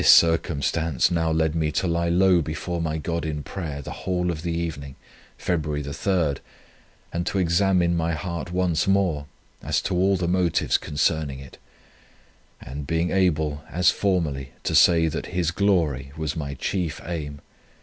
This circumstance now led me to lie low before my God in prayer the whole of the evening, February 3, and to examine my heart once more as to all the motives concerning it; and being able, as formerly, to say, that His glory was my chief aim, _i.